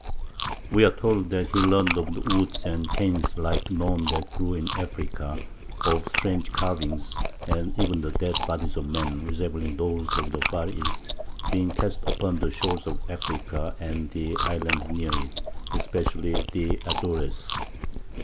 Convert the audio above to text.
We are told that he learned of woods and canes like none that grew in Africa, of strange carvings, and even of the dead bodies of men, resembling those of the far East, being cast upon the shores of Africa and the islands near it, especially the Azores.